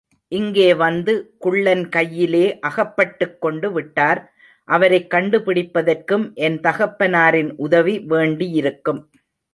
இங்கே வந்து குள்ளன் கையிலே அகப்பட்டுக்கொண்டுவிட்டார். அவரைக் கண்டுபிடிப்பதற்கும் என் தகப்பனாரின் உதவி வேண்டியிருக்கும்.